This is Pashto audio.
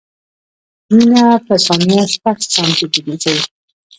وینه په ثانیه شپږ سانتي ګرځي.